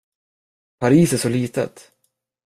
Paris är så litet.